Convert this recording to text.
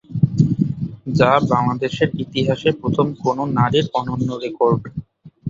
যা বাংলাদেশের ইতিহাসে প্রথম কোন নারীর অন্যান্য রেকর্ড।